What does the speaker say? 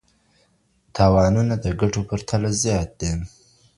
تاوانونه د ګټو په پرتله زیات دي.